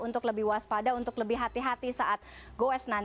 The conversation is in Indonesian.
terima kasih banyak akbar